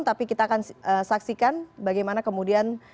tapi kita akan saksikan bagaimana kemudian